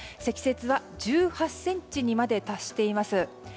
積雪は１８ｃｍにまで達しています。